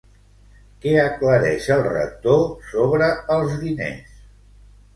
Què aclareix el Rector sobre els diners?